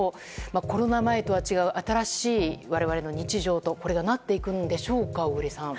コロナ前とは違う新しい我々の日常とこれがなっていくんでしょうか小栗さん。